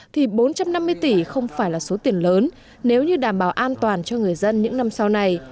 thì bốn trăm năm mươi tỷ không phải là số tiền lớn nếu như đảm bảo an toàn cho người dân những năm sau này